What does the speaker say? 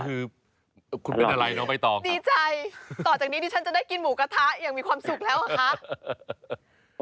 คือคุณเป็นอะไรน้องใบตองดีใจต่อจากนี้ดิฉันจะได้กินหมูกระทะอย่างมีความสุขแล้วเหรอคะ